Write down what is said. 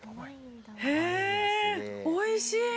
へえっおいしい。